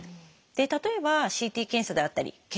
例えばＣＴ検査であったり血液検査